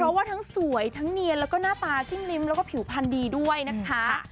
เพราะว่าทั้งสวยทั้งเนียนแล้วก็หน้าตาจิ้มลิ้มแล้วก็ผิวพันธุ์ดีด้วยนะคะ